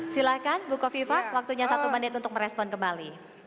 silahkan bu kofifa waktunya satu menit untuk merespon kembali